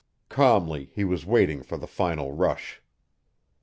Calmly he was waiting for the final rush.